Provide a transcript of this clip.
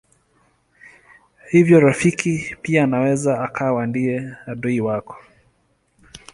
Hivyo rafiki pia anaweza akawa ndiye adui wako.